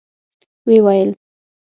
ويې ويل: